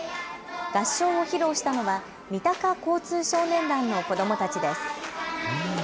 合唱を披露したのは三鷹交通少年団の子どもたちです。